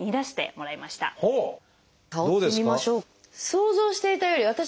想像していたより私